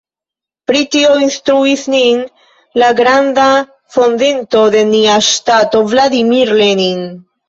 Pri tio instruis nin la granda fondinto de nia ŝtato Vladimir Lenin.